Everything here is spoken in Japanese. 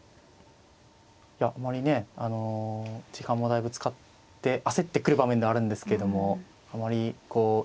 いやあまりねあの時間もだいぶ使って焦ってくる場面ではあるんですけどもあまりこう表情変わらないじゃないですか。